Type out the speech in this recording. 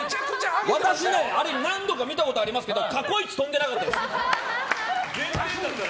私も何度か見たことありますけど過去イチ飛んでなかったです。